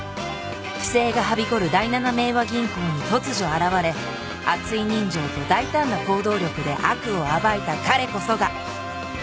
不正がはびこる第七明和銀行に突如現れ熱い人情と大胆な行動力で悪を暴いた彼こそが